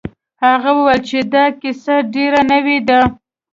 هغه وویل چې دا کیسه ډیره نوې ده.